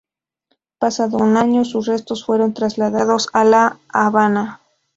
Pasado un año, sus restos fueron trasladados a La Habana.